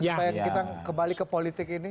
supaya kita kembali ke politik ini